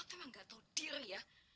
lo emang nggak tahu diri ya